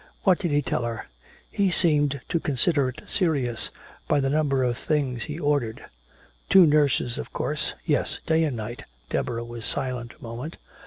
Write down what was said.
What did he tell her?" "He seemed to consider it serious by the number of things he ordered." "Two nurses, of course " "Yes, day and night." Deborah was silent a moment.